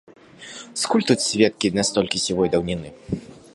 Скуль тут сведкі настолькі сівой даўніны?